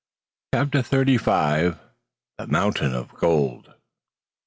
CHAPTER THIRTY FIVE. THE MOUNTAIN OF GOLD.